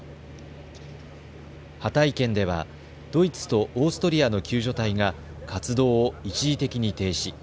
ハタイ県ではドイツとオーストリアの救助隊が活動を一時的に停止。